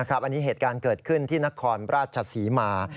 อันนี้เหตุการณ์เกิดขึ้นที่นครราชศรีมา